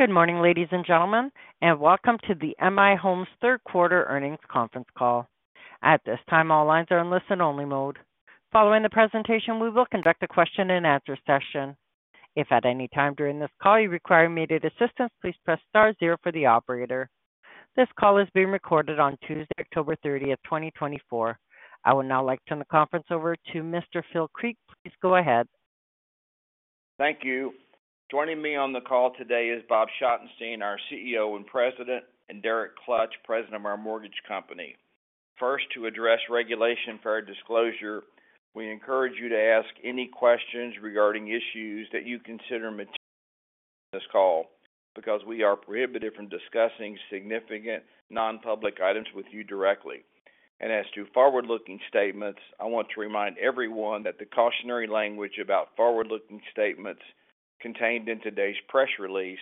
Good morning, ladies and gentlemen, and welcome to the M/I Homes Third Quarter Earnings Conference Call. At this time, all lines are in listen-only mode. Following the presentation, we will conduct a question-and-answer session. If at any time during this call you require immediate assistance, please press star zero for the operator. This call is being recorded on Tuesday, October 30th, 2024. I would now like to turn the conference over to Mr. Phil Creek. Please go ahead. Thank you. Joining me on the call today is Bob Schottenstein, our CEO and President, and Derek Klutch, President of our mortgage company. First, to address Regulation Fair Disclosure, we encourage you to ask any questions regarding issues that you consider in this call because we are prohibited from discussing significant non-public items with you directly, and as to forward-looking statements, I want to remind everyone that the cautionary language about forward-looking statements contained in today's press release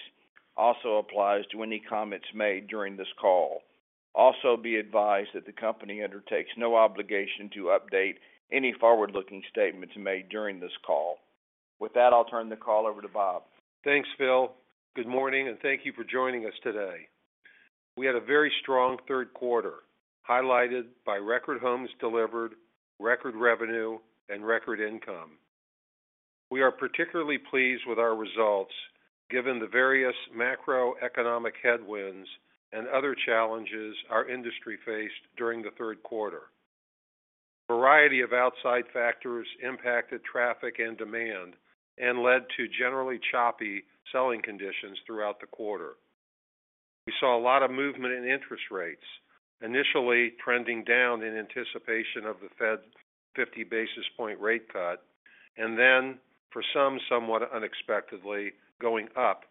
also applies to any comments made during this call. Also, be advised that the company undertakes no obligation to update any forward-looking statements made during this call. With that, I'll turn the call over to Bob. Thanks, Phil. Good morning, and thank you for joining us today. We had a very strong third quarter highlighted by record homes delivered, record revenue, and record income. We are particularly pleased with our results given the various macroeconomic headwinds and other challenges our industry faced during the third quarter. A variety of outside factors impacted traffic and demand and led to generally choppy selling conditions throughout the quarter. We saw a lot of movement in interest rates, initially trending down in anticipation of the Fed's 50 basis point rate cut, and then, for some somewhat unexpectedly, going up,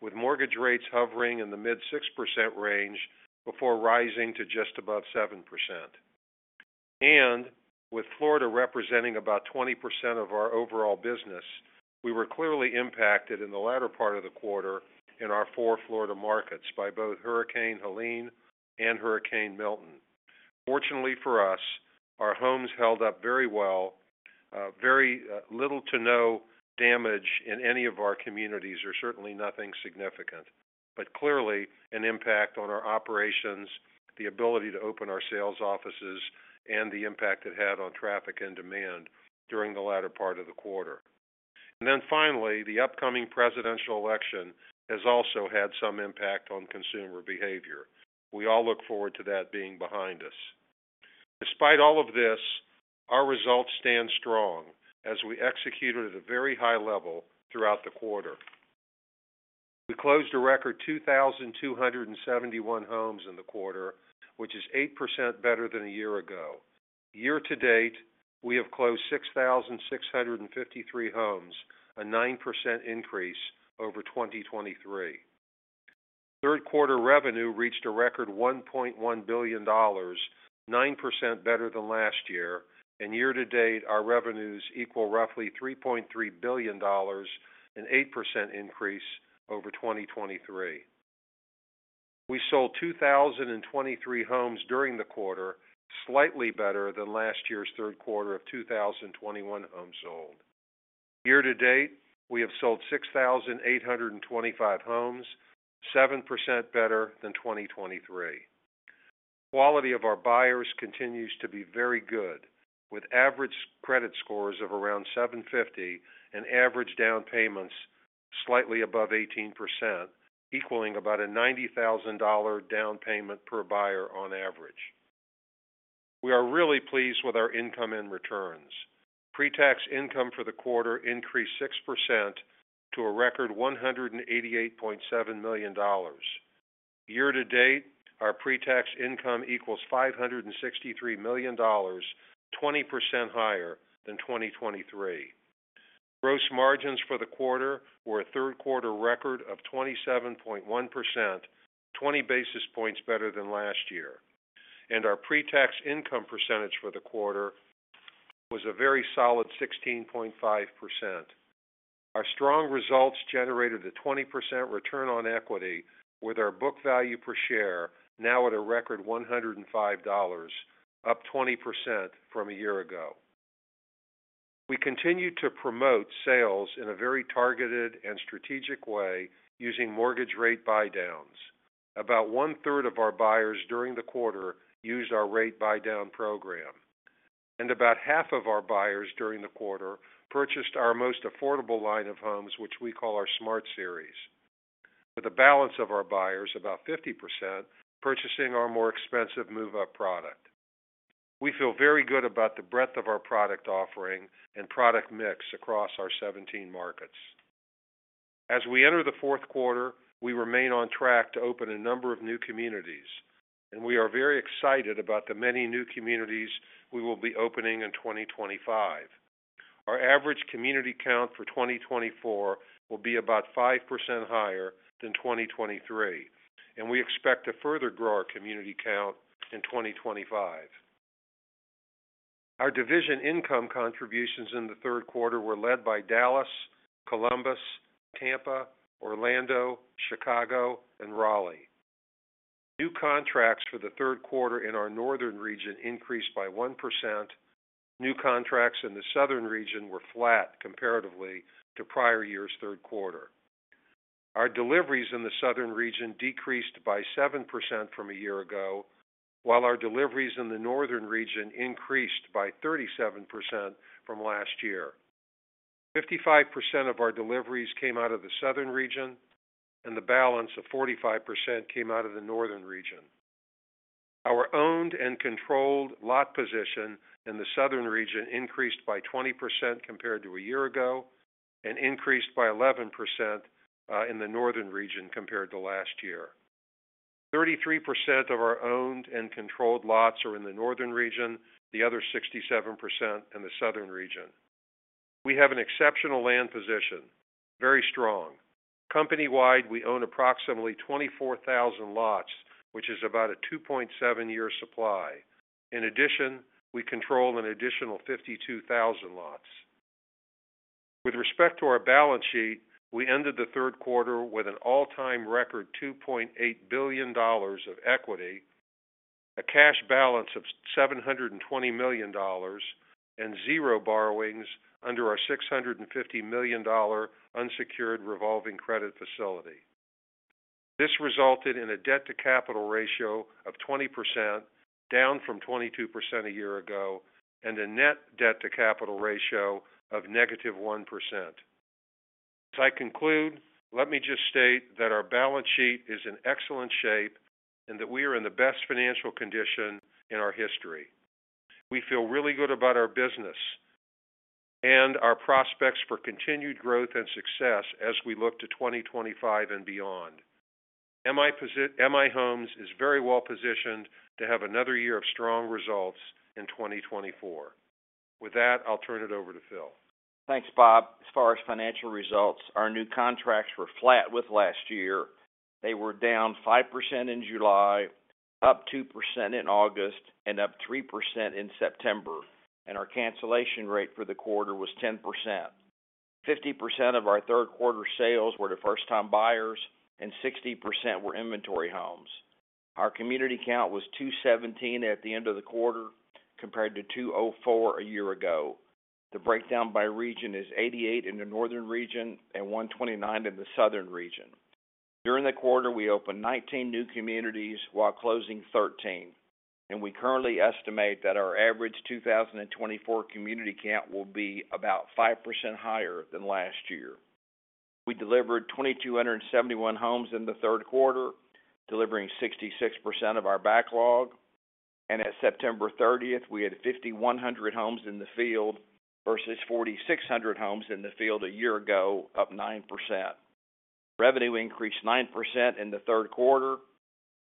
with mortgage rates hovering in the mid-6% range before rising to just above 7%, and with Florida representing about 20% of our overall business, we were clearly impacted in the latter part of the quarter in our four Florida markets by both Hurricane Helene and Hurricane Milton. Fortunately for us, our homes held up very well. Very little to no damage in any of our communities or certainly nothing significant, but clearly an impact on our operations, the ability to open our sales offices, and the impact it had on traffic and demand during the latter part of the quarter, and then finally, the upcoming presidential election has also had some impact on consumer behavior. We all look forward to that being behind us. Despite all of this, our results stand strong as we executed at a very high level throughout the quarter. We closed a record 2,271 homes in the quarter, which is 8% better than a year ago. Year to date, we have closed 6,653 homes, a 9% increase over 2023. Third quarter revenue reached a record $1.1 billion, 9% better than last year, and year to date, our revenues equal roughly $3.3 billion, an 8% increase over 2023. We sold 2,023 homes during the quarter, slightly better than last year's third quarter of 2,021 homes sold. Year to date, we have sold 6,825 homes, 7% better than 2023. Quality of our buyers continues to be very good, with average credit scores of around 750 and average down payments slightly above 18%, equaling about a $90,000 down payment per buyer on average. We are really pleased with our income and returns. Pre-tax income for the quarter increased 6% to a record $188.7 million. Year to date, our pre-tax income equals $563 million, 20% higher than 2023. Gross margins for the quarter were a third quarter record of 27.1%, 20 basis points better than last year. Our pre-tax income percentage for the quarter was a very solid 16.5%. Our strong results generated a 20% return on equity, with our book value per share now at a record $105, up 20% from a year ago. We continue to promote sales in a very targeted and strategic way using mortgage rate buy-downs. About one-third of our buyers during the quarter used our rate buy-down program, and about half of our buyers during the quarter purchased our most affordable line of homes, which we call our Smart Series. With a balance of our buyers, about 50%, purchasing our more expensive move-up product. We feel very good about the breadth of our product offering and product mix across our 17 markets. As we enter the fourth quarter, we remain on track to open a number of new communities, and we are very excited about the many new communities we will be opening in 2025. Our average community count for 2024 will be about 5% higher than 2023, and we expect to further grow our community count in 2025. Our division income contributions in the third quarter were led by Dallas, Columbus, Tampa, Orlando, Chicago, and Raleigh. New contracts for the third quarter in our northern region increased by one%. New contracts in the southern region were flat comparatively to prior year's third quarter. Our deliveries in the southern region decreased by seven% from a year ago, while our deliveries in the northern region increased by 37% from last year. 55% of our deliveries came out of the southern region, and the balance of 45% came out of the northern region. Our owned and controlled lot position in the southern region increased by 20% compared to a year ago and increased by 11% in the northern region compared to last year. 33% of our owned and controlled lots are in the northern region, the other 67% in the southern region. We have an exceptional land position, very strong. Company-wide, we own approximately 24,000 lots, which is about a 2.7-year supply. In addition, we control an additional 52,000 lots. With respect to our balance sheet, we ended the third quarter with an all-time record $2.8 billion of equity, a cash balance of $720 million, and zero borrowings under our $650 million unsecured revolving credit facility. This resulted in a debt-to-capital ratio of 20%, down from 22% a year ago, and a net debt-to-capital ratio of -1%. As I conclude, let me just state that our balance sheet is in excellent shape and that we are in the best financial condition in our history. We feel really good about our business and our prospects for continued growth and success as we look to 2025 and beyond. M/I Homes is very well positioned to have another year of strong results in 2024. With that, I'll turn it over to Phil. Thanks, Bob. As far as financial results, our new contracts were flat with last year. They were down 5% in July, up 2% in August, and up 3% in September, and our cancellation rate for the quarter was 10%. 50% of our third quarter sales were to first-time buyers, and 60% were inventory homes. Our community count was 217 at the end of the quarter compared to 204 a year ago. The breakdown by region is 88 in the northern region and 129 in the southern region. During the quarter, we opened 19 new communities while closing 13, and we currently estimate that our average 2024 community count will be about 5% higher than last year. We delivered 2,271 homes in the third quarter, delivering 66% of our backlog, and as of September 30th, we had 5,100 homes in the field versus 4,600 homes in the field a year ago, up 9%. Revenue increased 9% in the third quarter,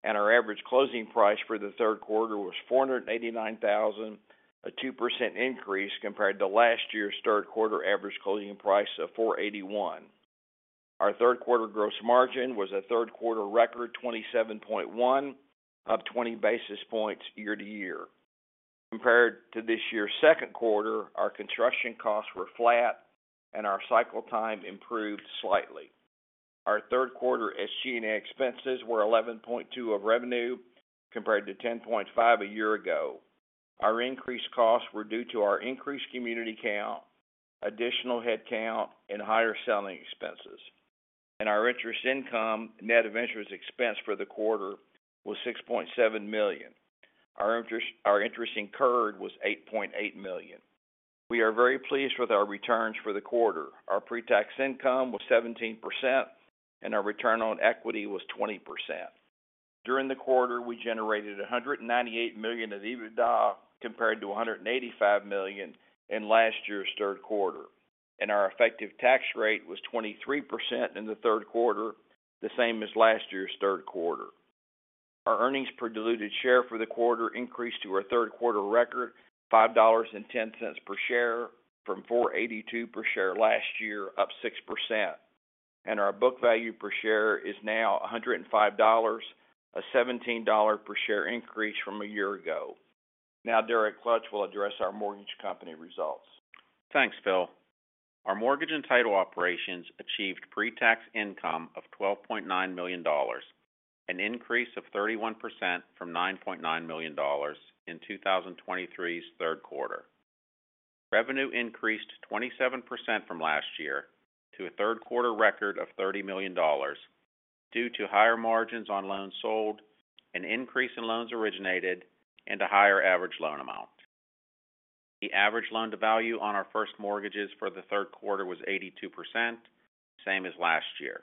and our average closing price for the third quarter was $489,000, a 2% increase compared to last year's third quarter average closing price of $481,000. Our third quarter gross margin was a third quarter record 27.1%, up 20 basis points year-to-year. Compared to this year's second quarter, our construction costs were flat, and our cycle time improved slightly. Our third quarter SG&A expenses were 11.2% of revenue compared to 10.5% a year ago. Our increased costs were due to our increased community count, additional head count, and higher selling expenses. And our interest income, net of interest expense for the quarter, was $6.7 million. Our interest incurred was $8.8 million. We are very pleased with our returns for the quarter. Our pre-tax income was 17%, and our return on equity was 20%. During the quarter, we generated $198 million of EBITDA compared to $185 million in last year's third quarter, and our effective tax rate was 23% in the third quarter, the same as last year's third quarter. Our earnings per diluted share for the quarter increased to our third quarter record, $5.10 per share from $4.82 per share last year, up 6%, and our book value per share is now $105, a $17 per share increase from a year ago. Now, Derek Klutch will address our mortgage company results. Thanks, Phil. Our mortgage and title operations achieved pre-tax income of $12.9 million, an increase of 31% from $9.9 million in 2023's third quarter. Revenue increased 27% from last year to a third quarter record of $30 million due to higher margins on loans sold, an increase in loans originated, and a higher average loan amount. The average loan-to-value on our first mortgages for the third quarter was 82%, same as last year.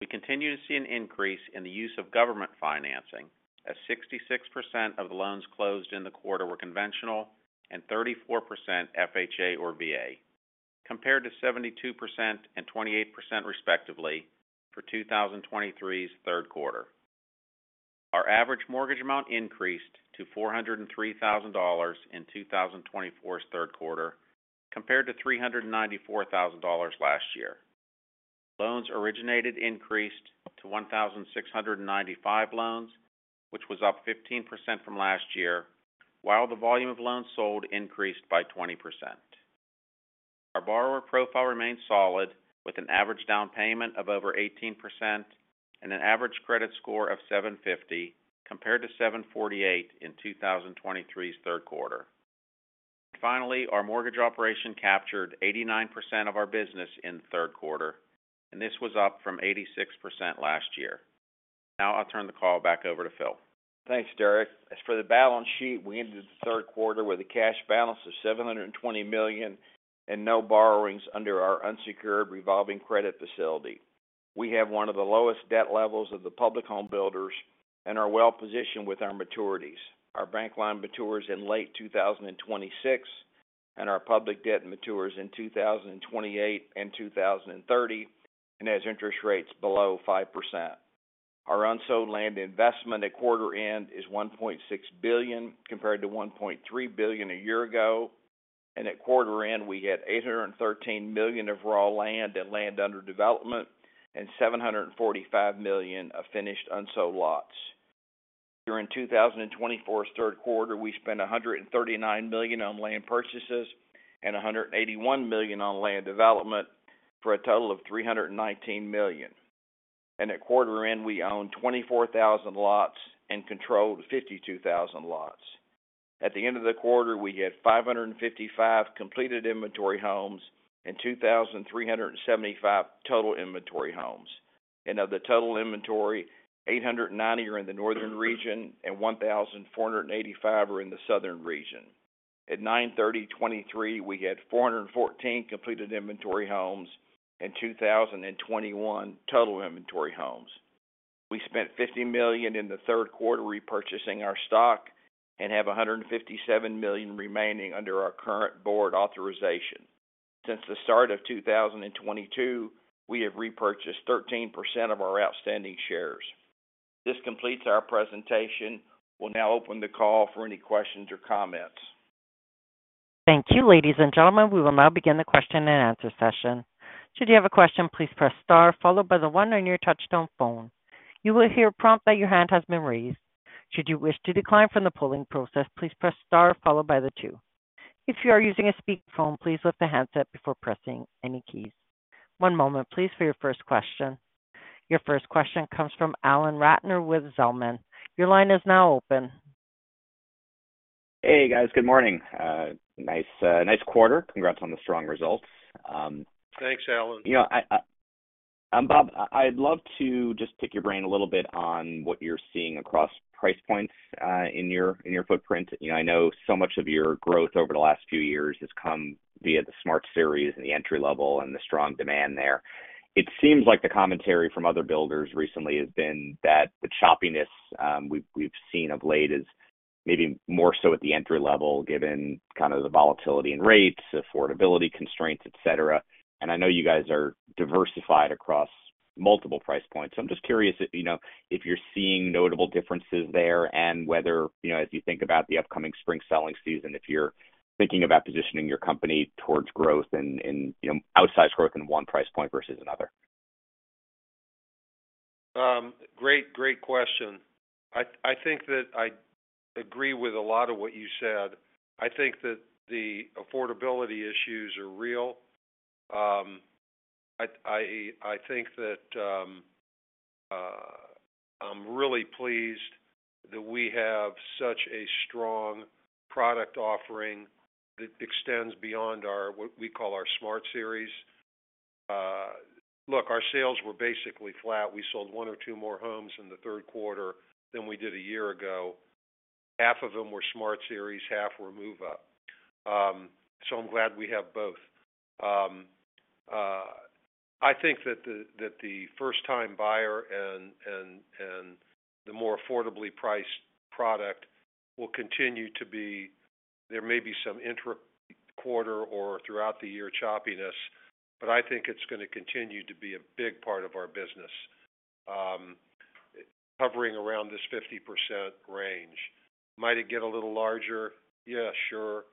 We continue to see an increase in the use of government financing, as 66% of the loans closed in the quarter were conventional and 34% FHA or VA, compared to 72% and 28% respectively for 2023's third quarter. Our average mortgage amount increased to $403,000 in 2024's third quarter, compared to $394,000 last year. Loans originated increased to 1,695 loans, which was up 15% from last year, while the volume of loans sold increased by 20%. Our borrower profile remained solid, with an average down payment of over 18% and an average credit score of 750 compared to 748 in 2023's third quarter. And finally, our mortgage operation captured 89% of our business in the third quarter, and this was up from 86% last year. Now I'll turn the call back over to Phil. Thanks, Derek. As for the balance sheet, we ended the third quarter with a cash balance of $720 million and no borrowings under our unsecured revolving credit facility. We have one of the lowest debt levels of the public home builders and are well positioned with our maturities. Our bank line matures in late 2026, and our public debt matures in 2028 and 2030, and has interest rates below 5%. Our unsold land investment at quarter end is $1.6 billion compared to $1.3 billion a year ago, and at quarter end, we had $813 million of raw land and land under development and $745 million of finished unsold lots. During 2024's third quarter, we spent $139 million on land purchases and $181 million on land development for a total of $319 million, and at quarter end, we owned 24,000 lots and controlled 52,000 lots. At the end of the quarter, we had 555 completed inventory homes and 2,375 total inventory homes, and of the total inventory, 890 are in the northern region and 1,485 are in the southern region. At 09/30/2023, we had 414 completed inventory homes and 2,021 total inventory homes. We spent $50 million in the third quarter repurchasing our stock and have $157 million remaining under our current board authorization. Since the start of 2022, we have repurchased 13% of our outstanding shares. This completes our presentation. We'll now open the call for any questions or comments. Thank you, ladies and gentlemen. We will now begin the question and answer session. Should you have a question, please press star, followed by the one on your touch-tone phone. You will hear a prompt that your hand has been raised. Should you wish to decline from the polling process, please press star, followed by the two. If you are using a speakerphone, please lift the handset before pressing any keys. One moment, please, for your first question. Your first question comes from Alan Ratner with Zelman. Your line is now open. Hey, guys. Good morning. Nice quarter. Congrats on the strong results. Thanks, Alan. Hi Bob. I'd love to just pick your brain a little bit on what you're seeing across price points in your footprint. I know so much of your growth over the last few years has come via the Smart Series and the entry level and the strong demand there. It seems like the commentary from other builders recently has been that the choppiness we've seen of late is maybe more so at the entry level, given kind of the volatility in rates, affordability constraints, etc. And I know you guys are diversified across multiple price points. So I'm just curious if you're seeing notable differences there and whether, as you think about the upcoming spring selling season, if you're thinking about positioning your company towards growth and outsized growth in one price point versus another. Great question. I think that I agree with a lot of what you said. I think that the affordability issues are real. I think that I'm really pleased that we have such a strong product offering that extends beyond what we call our Smart Series. Look, our sales were basically flat. We sold one or two more homes in the third quarter than we did a year ago. Half of them were Smart Series, half were Move-Up. So I'm glad we have both. I think that the first-time buyer and the more affordably priced product will continue to be. There may be some inter-quarter or throughout-the-year choppiness, but I think it's going to continue to be a big part of our business, hovering around this 50% range. Might it get a little larger? Yeah, sure.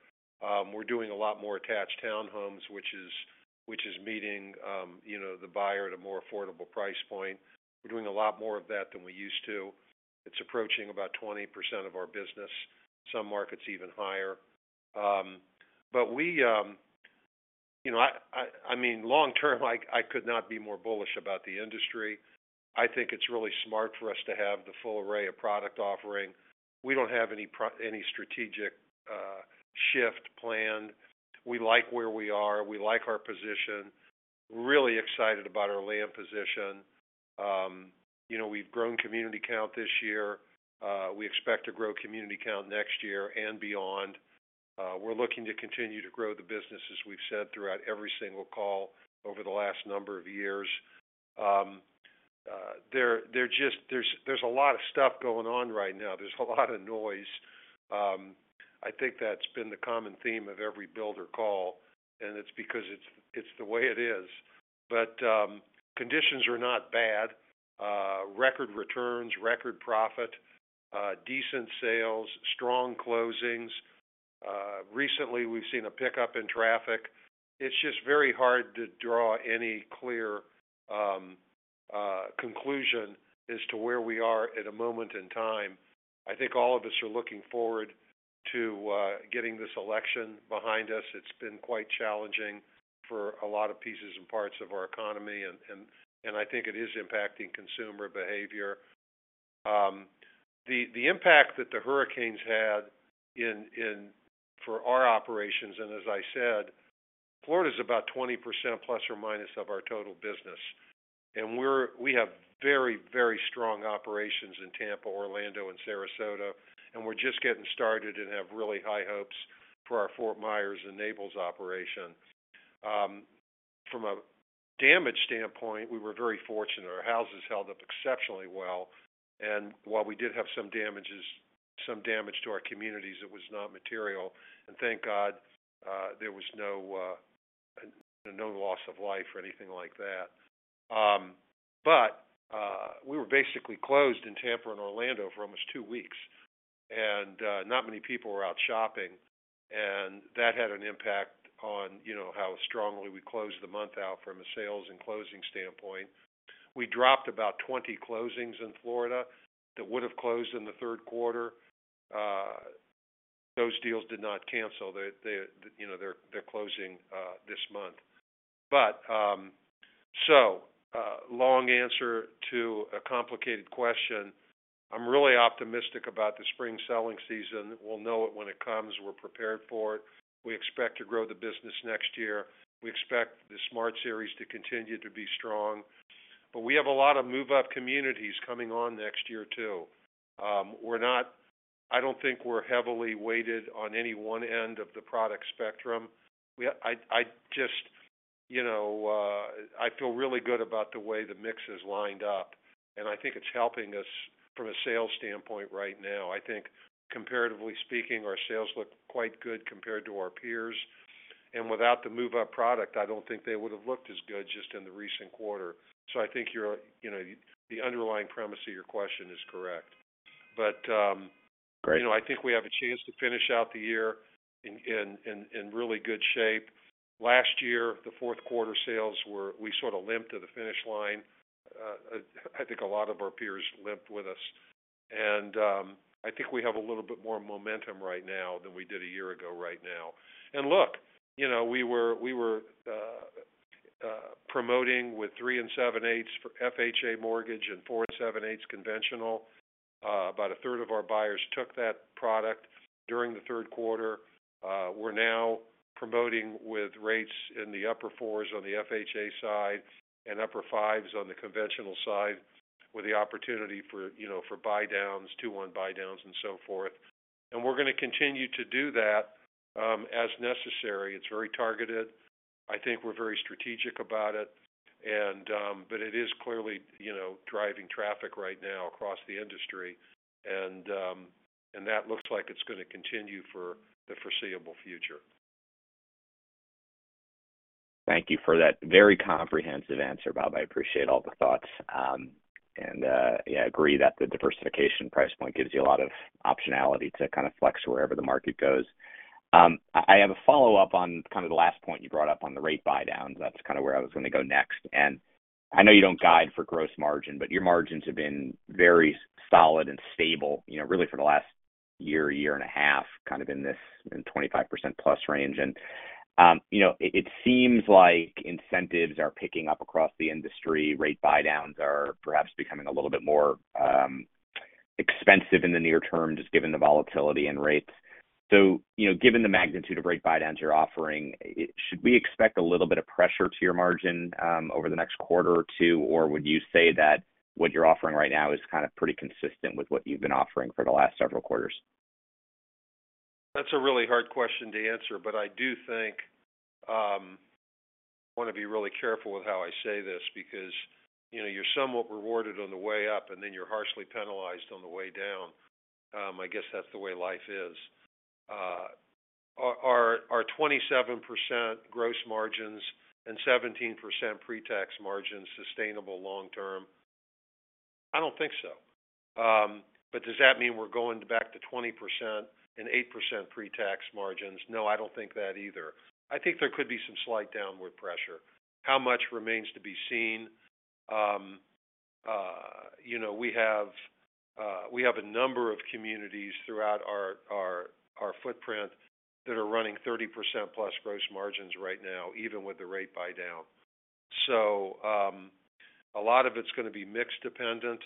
We're doing a lot more attached townhomes, which is meeting the buyer at a more affordable price point. We're doing a lot more of that than we used to. It's approaching about 20% of our business, some markets even higher. But I mean, long term, I could not be more bullish about the industry. I think it's really smart for us to have the full array of product offering. We don't have any strategic shift planned. We like where we are. We like our position. We're really excited about our land position. We've grown community count this year. We expect to grow community count next year and beyond. We're looking to continue to grow the business as we've said throughout every single call over the last number of years. There's a lot of stuff going on right now. There's a lot of noise. I think that's been the common theme of every builder call, and it's because it's the way it is. But conditions are not bad. Record returns, record profit, decent sales, strong closings. Recently, we've seen a pickup in traffic. It's just very hard to draw any clear conclusion as to where we are at a moment in time. I think all of us are looking forward to getting this election behind us. It's been quite challenging for a lot of pieces and parts of our economy, and I think it is impacting consumer behavior. The impact that the hurricanes had for our operations, and as I said, Florida's about 20% plus or minus of our total business, and we have very, very strong operations in Tampa, Orlando, and Sarasota, and we're just getting started and have really high hopes for our Fort Myers and Naples operation. From a damage standpoint, we were very fortunate. Our houses held up exceptionally well, and while we did have some damage to our communities, it was not material, and thank God there was no loss of life or anything like that, but we were basically closed in Tampa and Orlando for almost two weeks, and not many people were out shopping. And that had an impact on how strongly we closed the month out from a sales and closing standpoint. We dropped about 20 closings in Florida that would have closed in the third quarter. Those deals did not cancel. They're closing this month, so long answer to a complicated question. I'm really optimistic about the spring selling season. We'll know it when it comes. We're prepared for it. We expect to grow the business next year. We expect the Smart Series to continue to be strong. But we have a lot of Move-Up communities coming on next year too. I don't think we're heavily weighted on any one end of the product spectrum. I feel really good about the way the mix is lined up, and I think it's helping us from a sales standpoint right now. I think, comparatively speaking, our sales look quite good compared to our peers. And without the Move-Up product, I don't think they would have looked as good just in the recent quarter. So I think the underlying premise of your question is correct. But I think we have a chance to finish out the year in really good shape. Last year, the fourth quarter sales, we sort of limped to the finish line. I think a lot of our peers limped with us. I think we have a little bit more momentum right now than we did a year ago right now. Look, we were promoting with three and seven-eighths FHA mortgage and four and seven-eighths conventional. About a third of our buyers took that product during the third quarter. We're now promoting with rates in the upper fours on the FHA side and upper fives on the conventional side with the opportunity for buy-downs, 2-1 buy-downs, and so forth. We're going to continue to do that as necessary. It's very targeted. I think we're very strategic about it. But it is clearly driving traffic right now across the industry, and that looks like it's going to continue for the foreseeable future. Thank you for that very comprehensive answer, Bob. I appreciate all the thoughts, and yeah, I agree that the diversification price point gives you a lot of optionality to kind of flex wherever the market goes. I have a follow-up on kind of the last point you brought up on the rate buy-downs. That's kind of where I was going to go next, and I know you don't guide for gross margin, but your margins have been very solid and stable, really, for the last year and a half, kind of in this 25% plus range, and it seems like incentives are picking up across the industry. Rate buy-downs are perhaps becoming a little bit more expensive in the near term, just given the volatility in rates. So given the magnitude of rate buy-downs you're offering, should we expect a little bit of pressure to your margin over the next quarter or two, or would you say that what you're offering right now is kind of pretty consistent with what you've been offering for the last several quarters? That's a really hard question to answer, but I do think I want to be really careful with how I say this because you're somewhat rewarded on the way up, and then you're harshly penalized on the way down. I guess that's the way life is. Are 27% gross margins and 17% pre-tax margins sustainable long-term? I don't think so. But does that mean we're going back to 20% and 8% pre-tax margins? No, I don't think that either. I think there could be some slight downward pressure. How much remains to be seen? We have a number of communities throughout our footprint that are running 30% plus gross margins right now, even with the rate buy-down. So a lot of it's going to be mixed-dependent.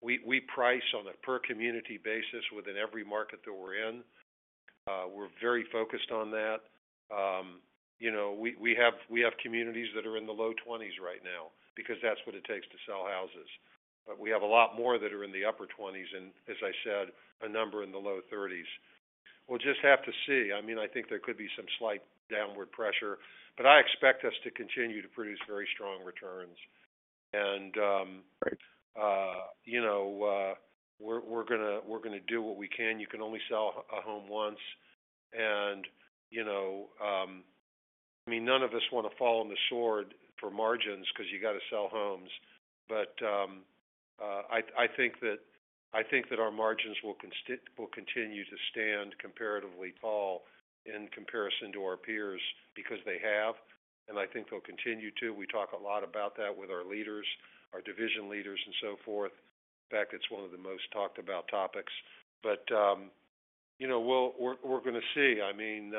We price on a per-community basis within every market that we're in. We're very focused on that. We have communities that are in the low 20s right now because that's what it takes to sell houses. But we have a lot more that are in the upper 20s and, as I said, a number in the low 30s. We'll just have to see. I mean, I think there could be some slight downward pressure, but I expect us to continue to produce very strong returns. And we're going to do what we can. You can only sell a home once. And I mean, none of us want to fall on the sword for margins because you got to sell homes. But I think that our margins will continue to stand comparatively tall in comparison to our peers because they have, and I think they'll continue to. We talk a lot about that with our leaders, our division leaders, and so forth. In fact, it's one of the most talked-about topics. But we're going to see. I mean,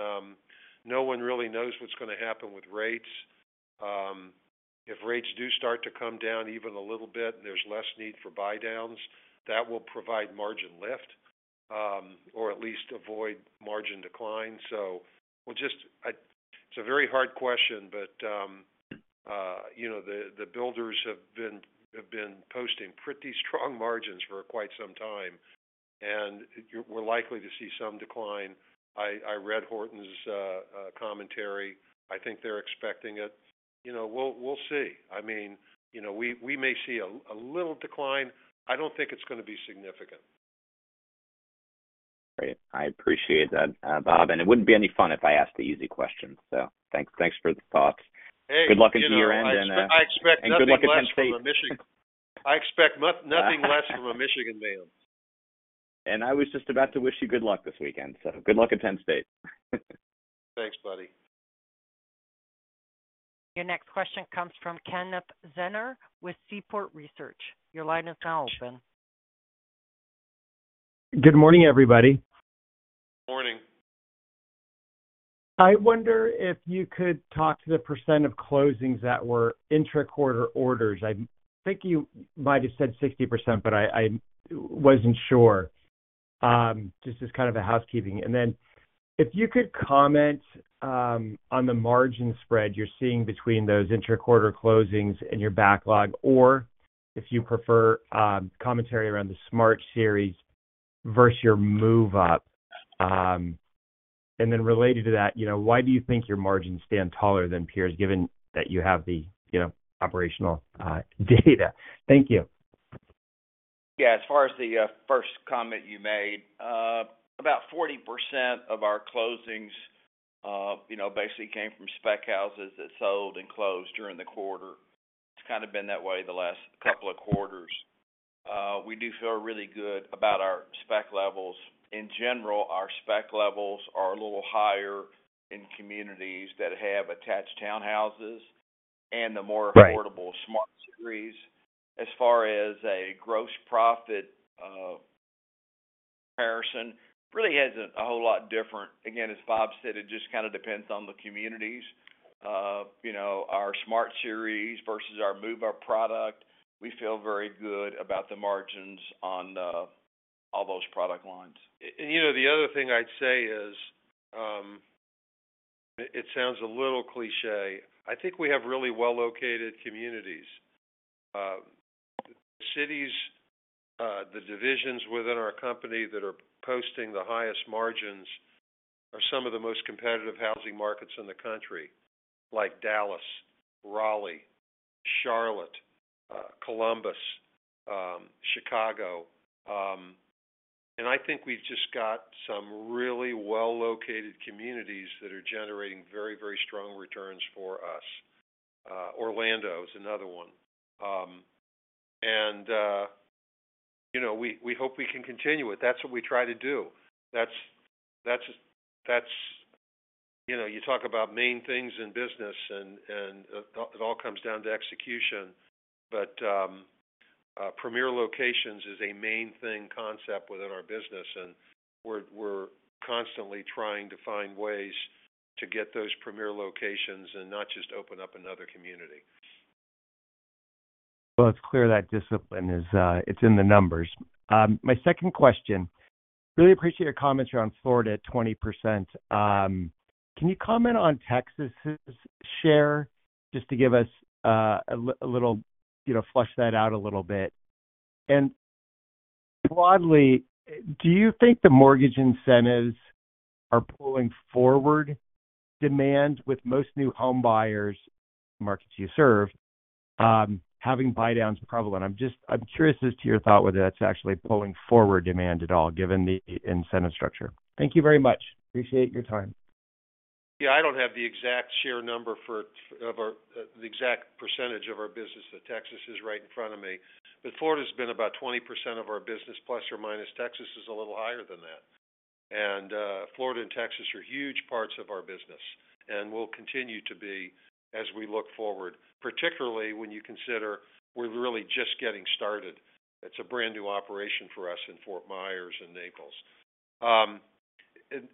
no one really knows what's going to happen with rates. If rates do start to come down even a little bit and there's less need for buy-downs, that will provide margin lift or at least avoid margin decline. So it's a very hard question, but the builders have been posting pretty strong margins for quite some time, and we're likely to see some decline. I read Horton's commentary. I think they're expecting it. We'll see. I mean, we may see a little decline. I don't think it's going to be significant. Great. I appreciate that, Bob. And it wouldn't be any fun if I asked the easy questions. So thanks for the thoughts. Good luck in year-end. Hey, I expect nothing less from a Michigan man. I was just about to wish you good luck this weekend. Good luck at Penn State. Thanks, buddy. Your next question comes from Kenneth Zener with Seaport Research. Your line is now open. Good morning, everybody. Morning. I wonder if you could talk to the percent of closings that were intra-quarter orders. I think you might have said 60%, but I wasn't sure. This is kind of housekeeping. And then if you could comment on the margin spread you're seeing between those intra-quarter closings and your backlog, or if you prefer commentary around the Smart Series versus your Move-Up. And then related to that, why do you think your margins stand taller than peers, given that you have the operational data? Thank you. Yeah. As far as the first comment you made, about 40% of our closings basically came from spec houses that sold and closed during the quarter. It's kind of been that way the last couple of quarters. We do feel really good about our spec levels. In general, our spec levels are a little higher in communities that have attached townhouses and the more affordable Smart Series. As far as a gross profit comparison, it really isn't a whole lot different. Again, as Bob said, it just kind of depends on the communities. Our Smart Series versus our Move-Up product, we feel very good about the margins on all those product lines. The other thing I'd say is, it sounds a little cliché, I think we have really well-located communities. The cities, the divisions within our company that are posting the highest margins are some of the most competitive housing markets in the country, like Dallas, Raleigh, Charlotte, Columbus, Chicago, and I think we've just got some really well-located communities that are generating very, very strong returns for us. Orlando is another one, and we hope we can continue it. That's what we try to do. You talk about main things in business, and it all comes down to execution, but premier locations is a main thing concept within our business, and we're constantly trying to find ways to get those premier locations and not just open up another community. It's clear that discipline is in the numbers. My second question, I really appreciate your comments around Florida at 20%. Can you comment on Texas's share just to give us a little flesh that out a little bit? Broadly, do you think the mortgage incentives are pulling forward demand with most new home buyers, markets you serve, having buy-downs prevalent? I'm curious as to your thoughts whether that's actually pulling forward demand at all, given the incentive structure. Thank you very much. I appreciate your time. Yeah. I don't have the exact share number of the exact percentage of our business that Texas is right in front of me. But Florida's been about 20% of our business plus or minus. Texas is a little higher than that. And Florida and Texas are huge parts of our business and will continue to be as we look forward, particularly when you consider we're really just getting started. It's a brand new operation for us in Fort Myers and Naples.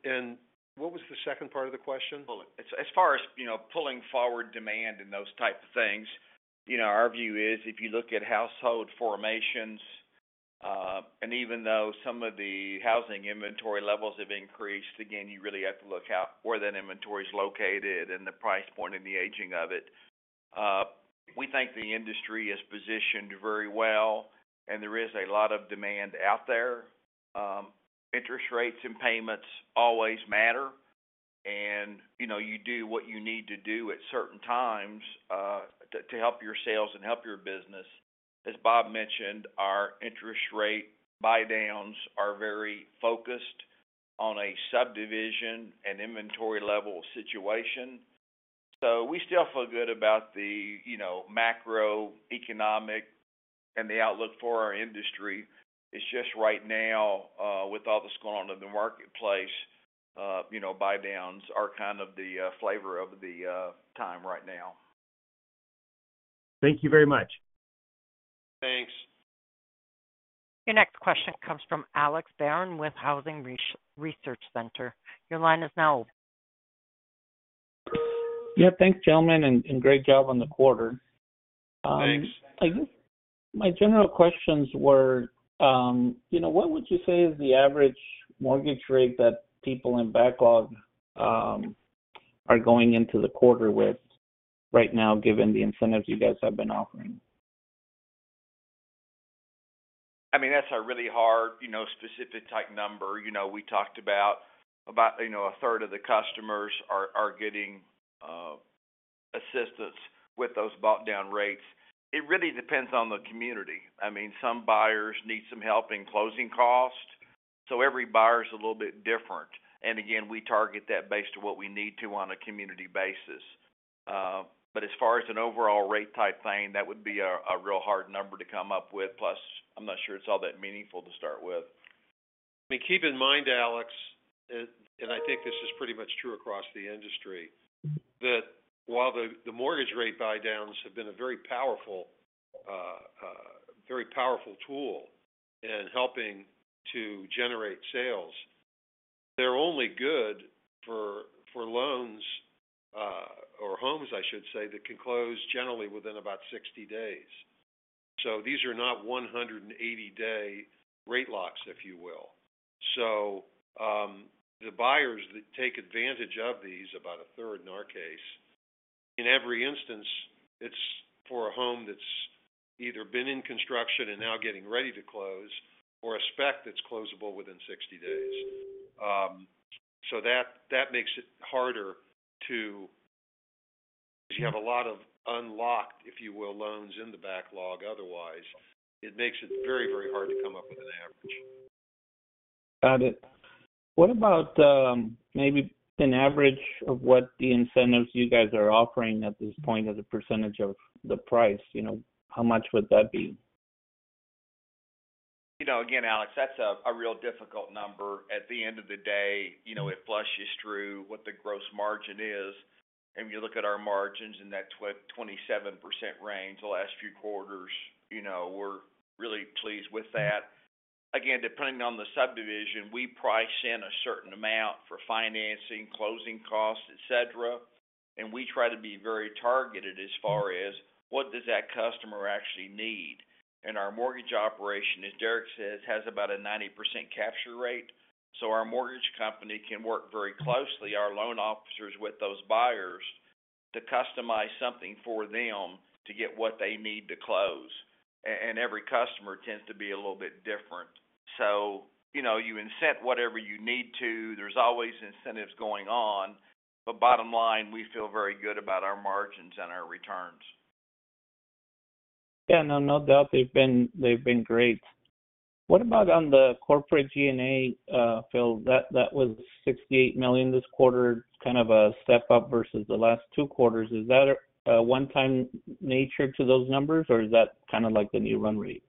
And what was the second part of the question? As far as pulling forward demand and those type of things, our view is if you look at household formations, and even though some of the housing inventory levels have increased, again, you really have to look at where that inventory's located and the price point and the aging of it. We think the industry is positioned very well, and there is a lot of demand out there. Interest rates and payments always matter, and you do what you need to do at certain times to help your sales and help your business. As Bob mentioned, our interest rate buy-downs are very focused on a subdivision and inventory level situation. So we still feel good about the macroeconomic and the outlook for our industry. It's just right now, with all that's going on in the marketplace, buy-downs are kind of the flavor of the time right now. Thank you very much. Thanks. Your next question comes from Alex Barron with Housing Research Center. Your line is now open. Yeah. Thanks, gentlemen, and great job on the quarter. Thanks. My general questions were, what would you say is the average mortgage rate that people in backlog are going into the quarter with right now, given the incentives you guys have been offering? I mean, that's a really hard, specific type number. We talked about a third of the customers are getting assistance with those buy-down rates. It really depends on the community. I mean, some buyers need some help in closing costs. So every buyer's a little bit different. And again, we target that based on what we need to on a community basis. But as far as an overall rate type thing, that would be a real hard number to come up with. Plus, I'm not sure it's all that meaningful to start with. I mean, keep in mind, Alex, and I think this is pretty much true across the industry, that while the mortgage rate buy-downs have been a very powerful tool in helping to generate sales, they're only good for loans or homes, I should say, that can close generally within about 60 days. So these are not 180-day rate locks, if you will. So the buyers that take advantage of these, about a third in our case, in every instance, it's for a home that's either been in construction and now getting ready to close or a spec that's closable within 60 days. So that makes it harder because you have a lot of unlocked, if you will, loans in the backlog. Otherwise, it makes it very, very hard to come up with an average. Got it. What about maybe an average of what the incentives you guys are offering at this point as a % of the price? How much would that be? Again, Alex, that's a real difficult number. At the end of the day, it flushes through what the gross margin is, and you look at our margins in that 27% range the last few quarters, we're really pleased with that. Again, depending on the subdivision, we price in a certain amount for financing, closing costs, etc., and we try to be very targeted as far as what does that customer actually need, and our mortgage operation, as Derek says, has about a 90% capture rate, so our mortgage company can work very closely, our loan officers with those buyers, to customize something for them to get what they need to close, and every customer tends to be a little bit different, so you incent whatever you need to. There's always incentives going on, but bottom line, we feel very good about our margins and our returns. Yeah. No, no doubt. They've been great. What about on the corporate G&A? That was $68 million this quarter, kind of a step up versus the last two quarters. Is that a one-time nature to those numbers, or is that kind of like the new run rate?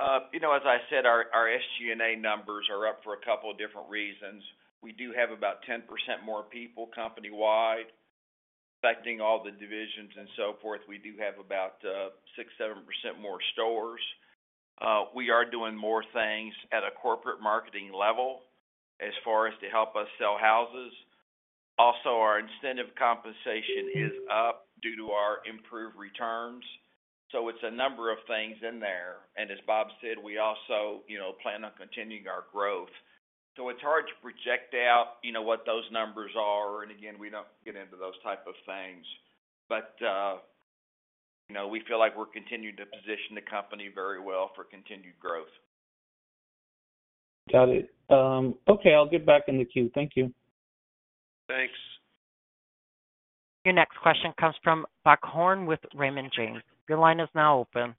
As I said, our SG&A numbers are up for a couple of different reasons. We do have about 10% more people company-wide affecting all the divisions and so forth. We do have about 6%-7% more stores. We are doing more things at a corporate marketing level as far as to help us sell houses. Also, our incentive compensation is up due to our improved returns. So it's a number of things in there. And as Bob said, we also plan on continuing our growth. So it's hard to project out what those numbers are. And again, we don't get into those type of things. But we feel like we're continuing to position the company very well for continued growth. Got it. Okay. I'll get back in the queue. Thank you. Thanks. Your next question comes from Buck Horne with Raymond James. Your line is now open.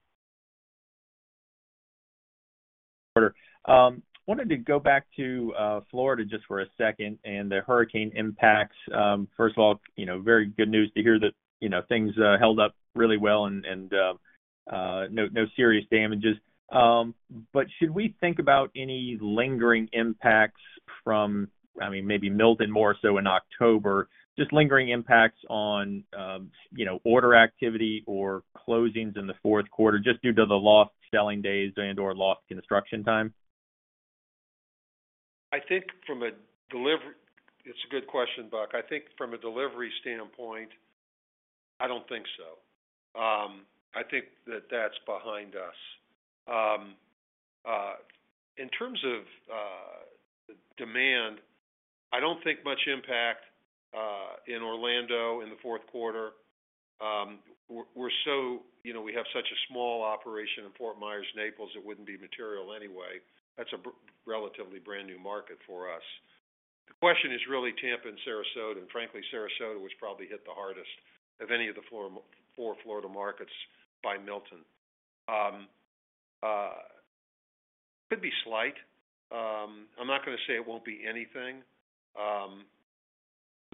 Wonderful. Wanted to go back to Florida just for a second and the hurricane impacts. First of all, very good news to hear that things held up really well and no serious damages. But should we think about any lingering impacts from, I mean, maybe Milton more so in October, just lingering impacts on order activity or closings in the fourth quarter just due to the lost selling days and/or lost construction time? I think from a, it's a good question, Buck. I think from a delivery standpoint, I don't think so. I think that that's behind us. In terms of demand, I don't think much impact in Orlando in the fourth quarter. We have such a small operation in Fort Myers, Naples. It wouldn't be material anyway. That's a relatively brand new market for us. The question is really Tampa and Sarasota. And frankly, Sarasota was probably hit the hardest of any of the four Florida markets by Milton. Could be slight. I'm not going to say it won't be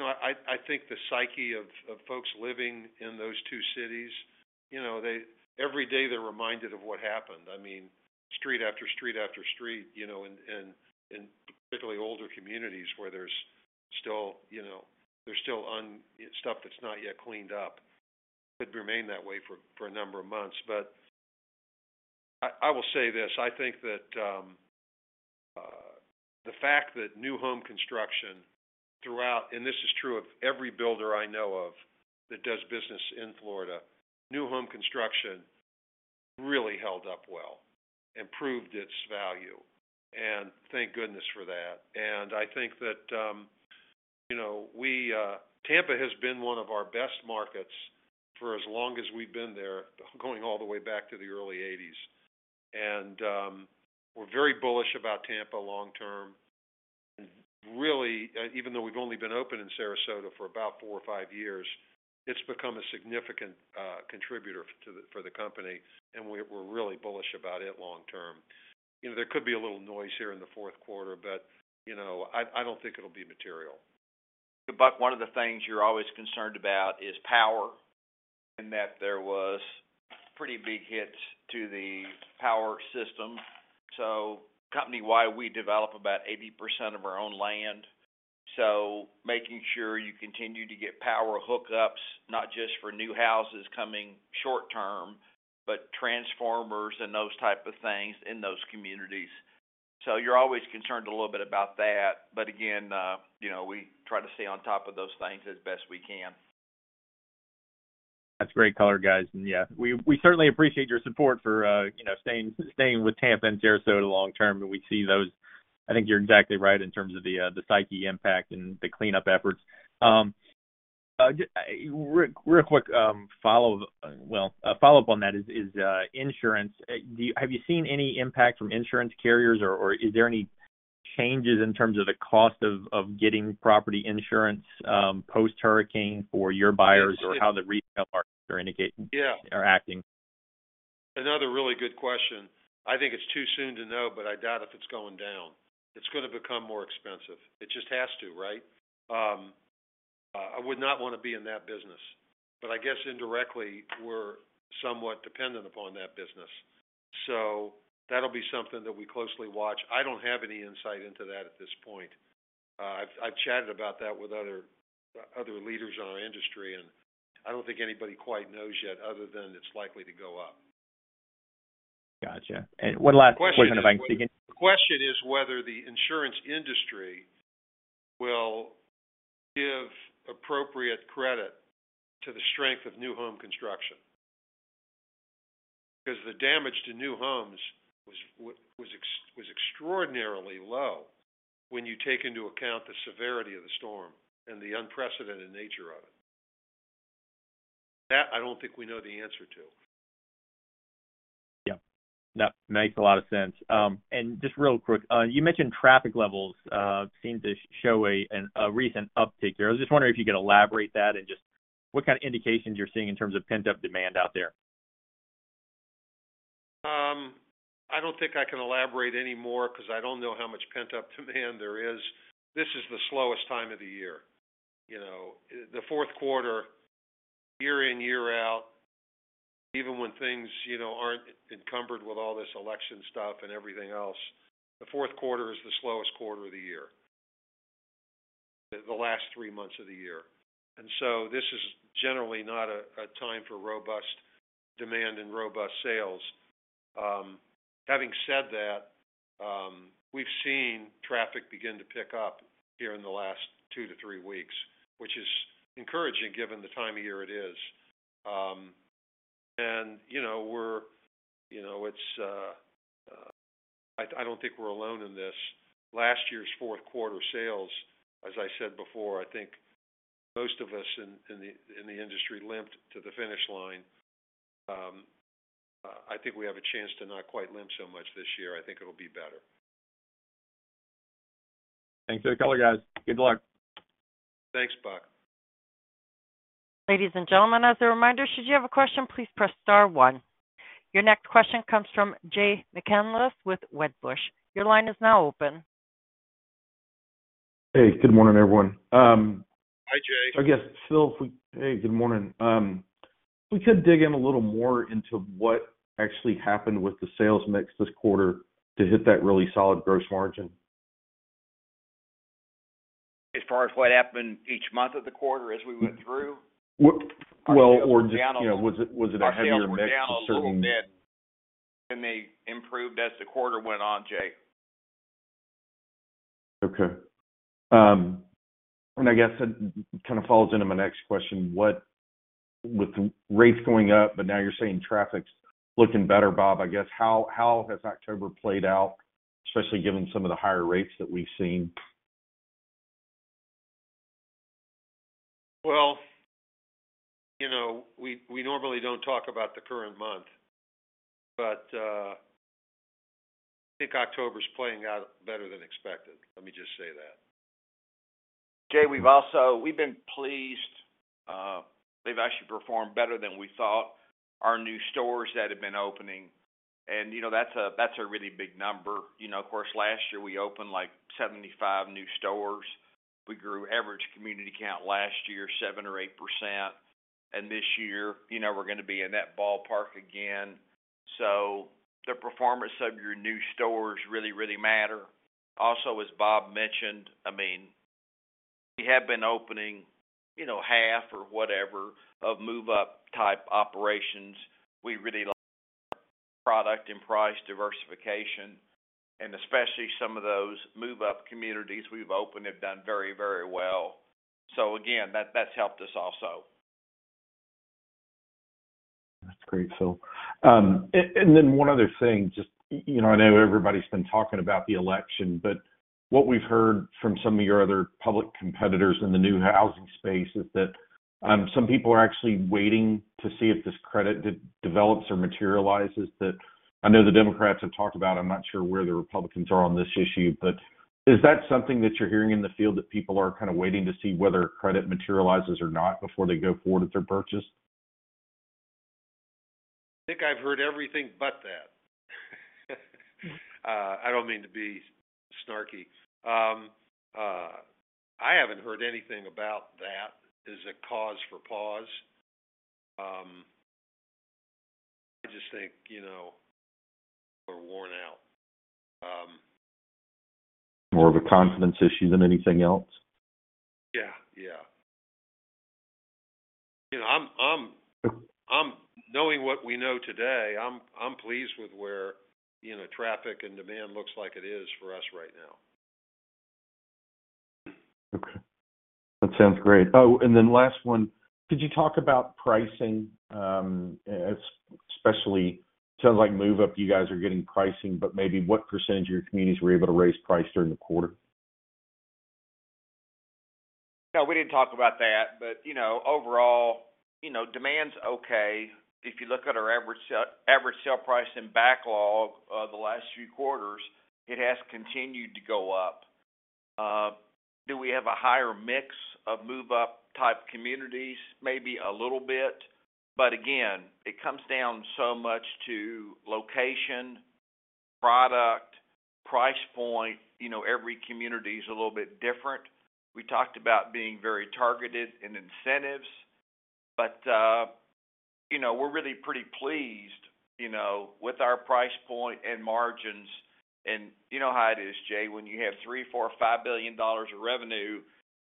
anything. I think the psyche of folks living in those two cities, every day they're reminded of what happened. I mean, street after street after street, and particularly older communities where there's still stuff that's not yet cleaned up. It could remain that way for a number of months. But I will say this: I think that the fact that new home construction throughout, and this is true of every builder I know of that does business in Florida, new home construction really held up well and proved its value. And thank goodness for that. And I think that Tampa has been one of our best markets for as long as we've been there, going all the way back to the early 1980s. And we're very bullish about Tampa long term. And really, even though we've only been open in Sarasota for about four or five years, it's become a significant contributor for the company. And we're really bullish about it long term. There could be a little noise here in the fourth quarter, but I don't think it'll be material. But one of the things you're always concerned about is power and that there was pretty big hits to the power system. So company-wide, we develop about 80% of our own land. So making sure you continue to get power hookups, not just for new houses coming short term, but transformers and those type of things in those communities. So you're always concerned a little bit about that. But again, we try to stay on top of those things as best we can. That's great color, guys. And yeah, we certainly appreciate your support for staying with Tampa and Sarasota long term. And we see those - I think you're exactly right in terms of the psyche impact and the cleanup efforts. Real quick follow-up on that is insurance. Have you seen any impact from insurance carriers, or is there any changes in terms of the cost of getting property insurance post-hurricane for your buyers, or how the retail markets are acting? Another really good question. I think it's too soon to know, but I doubt if it's going down. It's going to become more expensive. It just has to, right? I would not want to be in that business. But I guess indirectly, we're somewhat dependent upon that business. So that'll be something that we closely watch. I don't have any insight into that at this point. I've chatted about that with other leaders in our industry, and I don't think anybody quite knows yet other than it's likely to go up. Gotcha. And one last question if I can speak in. The question is whether the insurance industry will give appropriate credit to the strength of new home construction because the damage to new homes was extraordinarily low when you take into account the severity of the storm and the unprecedented nature of it. That I don't think we know the answer to. Yep. That makes a lot of sense. And just real quick, you mentioned traffic levels seem to show a recent uptick there. I was just wondering if you could elaborate that and just what kind of indications you're seeing in terms of pent-up demand out there? I don't think I can elaborate any more because I don't know how much pent-up demand there is. This is the slowest time of the year. The fourth quarter, year in, year out, even when things aren't encumbered with all this election stuff and everything else, the fourth quarter is the slowest quarter of the year, the last three months of the year, and so this is generally not a time for robust demand and robust sales. Having said that, we've seen traffic begin to pick up here in the last two to three weeks, which is encouraging given the time of year it is, and I don't think we're alone in this. Last year's fourth quarter sales, as I said before, I think most of us in the industry limped to the finish line. I think we have a chance to not quite limp so much this year. I think it'll be better. Thanks for the call, guys. Good luck. Thanks, Buck. Ladies and gentlemen, as a reminder, should you have a question, please press star one. Your next question comes from Jay McCanless with Wedbush. Your line is now open. Hey, good morning, everyone. Hi, Jay. So I guess, Phil, hey, good morning. If we could dig in a little more into what actually happened with the sales mix this quarter to hit that really solid gross margin. As far as what happened each month of the quarter as we went through? Well, or just was it a heavier mix? It went down a little bit, and they improved as the quarter went on, Jay. Okay. And I guess it kind of falls into my next question. With rates going up, but now you're saying traffic's looking better, Bob, I guess. How has October played out, especially given some of the higher rates that we've seen? We normally don't talk about the current month, but I think October's playing out better than expected. Let me just say that. Jay, we've been pleased. They've actually performed better than we thought. Our new communities that have been opening. And that's a really big number. Of course, last year we opened like 75 new communities. We grew average community count last year, 7% or 8%. And this year, we're going to be in that ballpark again. So the performance of your new communities really, really matter. Also, as Bob mentioned, I mean, we have been opening half or whatever of Move-Up type operations. We really like product and price diversification. And especially some of those Move-Up communities we've opened have done very, very well. So again, that's helped us also. That's great, Phil. And then one other thing. Just, I know everybody's been talking about the election, but what we've heard from some of your other public competitors in the new housing space is that some people are actually waiting to see if this credit develops or materializes. I know the Democrats have talked about it. I'm not sure where the Republicans are on this issue. But is that something that you're hearing in the field that people are kind of waiting to see whether credit materializes or not before they go forward with their purchase? I think I've heard everything but that. I don't mean to be snarky. I haven't heard anything about that as a cause for pause. I just think people are worn out. More of a confidence issue than anything else? Yeah. Yeah. Knowing what we know today, I'm pleased with where traffic and demand looks like it is for us right now. Okay. That sounds great. And then last one, could you talk about pricing? Especially, it sounds like move-up, you guys are getting pricing, but maybe what percentage of your communities were able to raise price during the quarter? No, we didn't talk about that. But overall, demand's okay. If you look at our average sale price in backlog the last few quarters, it has continued to go up. Do we have a higher mix of move-up type communities? Maybe a little bit. But again, it comes down so much to location, product, price point. Every community is a little bit different. We talked about being very targeted in incentives, but we're really pretty pleased with our price point and margins. And you know how it is, Jay, when you have $3 billion, $4 billion, $5 billion of revenue,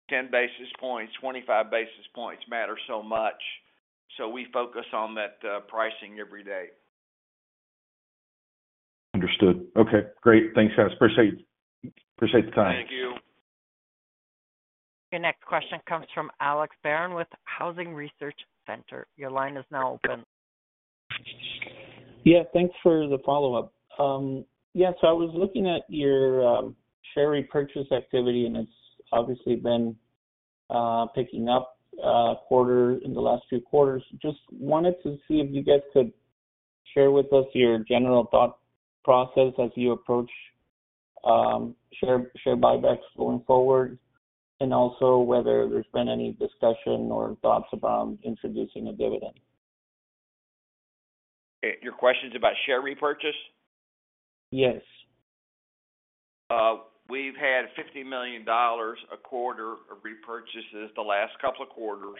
10 basis points, 25 basis points matter so much. So we focus on that pricing every day. Understood. Okay. Great. Thanks, guys. Appreciate the time. Thank you. Your next question comes from Alex Barron with Housing Research Center. Your line is now open. Yeah. Thanks for the follow-up. Yeah. So I was looking at your share repurchase activity, and it's obviously been picking up in the last few quarters. Just wanted to see if you guys could share with us your general thought process as you approach share buybacks going forward, and also whether there's been any discussion or thoughts around introducing a dividend. Your question's about share repurchase? Yes. We've had $50 million a quarter of repurchases, the last couple of quarters.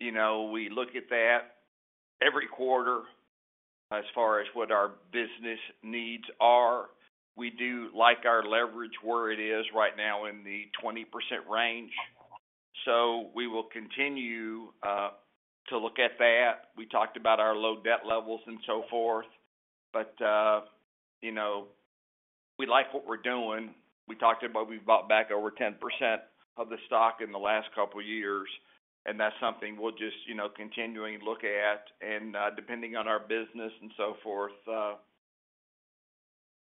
We look at that every quarter as far as what our business needs are. We do like our leverage where it is right now in the 20% range, so we will continue to look at that. We talked about our low debt levels and so forth, but we like what we're doing. We talked about we bought back over 10% of the stock in the last couple of years, and that's something we'll just continue to look at, and depending on our business and so forth,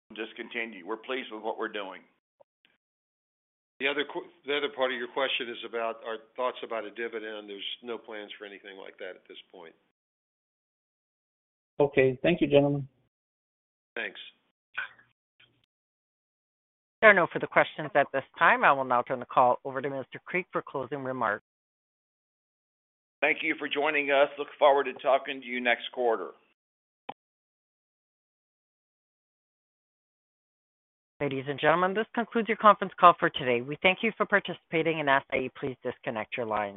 we'll just continue. We're pleased with what we're doing. The other part of your question is about our thoughts about a dividend. There's no plans for anything like that at this point. Okay. Thank you, gentlemen. Thanks. There are no further questions at this time. I will now turn the call over to Mr. Creek for closing remarks. Thank you for joining us. Look forward to talking to you next quarter. Ladies and gentlemen, this concludes your conference call for today. We thank you for participating and ask that you please disconnect your line.